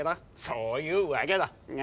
そういうわけだああ。